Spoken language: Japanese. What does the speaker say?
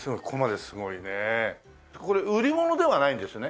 これ売り物ではないんですね？